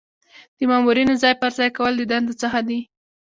د مامورینو ځای پر ځای کول د دندو څخه دي.